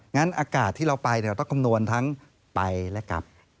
งั้นอากาศที่เราไปเราต้องคำนวณทั้งไปและกลับ